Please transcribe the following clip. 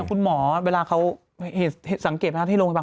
คุณหมอเวลาเขาสังเกตไหมครับที่โรงพยาบาล